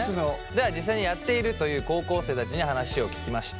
では実際にやっているという高校生たちに話を聞きました。